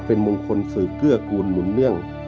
เป็นมงคลสืบเกื้อกูลหมุนเรื่อง